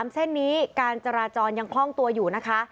เส้นนี้การจราจรยังคล่องตัวอยู่นะคะ